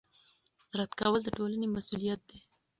رد کول د ټولنې مسوولیت دی